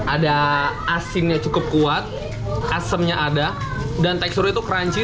ada asinnya cukup kuat asemnya ada dan teksturnya itu crunchy